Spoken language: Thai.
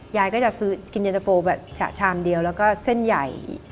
ยายก็จะซื้อกินเย็นตะโฟแบบฉะชามเดียวแล้วก็เส้นใหญ่